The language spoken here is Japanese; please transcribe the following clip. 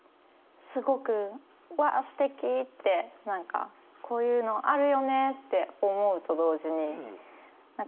すごく「わあすてき」って何か「こういうのあるよね」って思うと同時にあ！